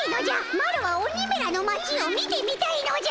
マロは鬼めらの町を見てみたいのじゃ！